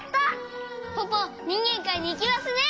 ポポにんげんかいにいけますね！